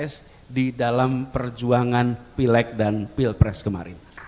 pks di dalam perjuangan pileg dan pilpres kemarin